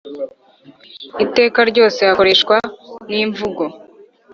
iteka ryose hakoreshwa n’imvugo